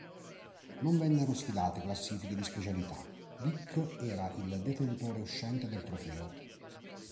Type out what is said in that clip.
Non vennero stilate classifiche di specialità; Vik era il detentore uscente del trofeo.